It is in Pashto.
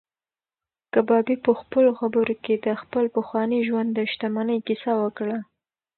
کبابي په خپلو خبرو کې د خپل پخواني ژوند د شتمنۍ کیسه وکړه.